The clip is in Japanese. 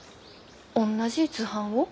おんなじ図版を？